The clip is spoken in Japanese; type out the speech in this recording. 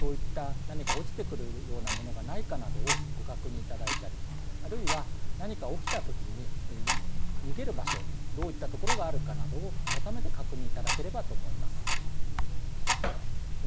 なので、お休みになる場所の周辺、改めてそういった何か落ちてくるものがないかなどをご確認いただいたりあるいは何か起きた時によける場所といったものがあるかなどを改めて確認いただければと思います。